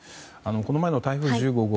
この前の台風１５号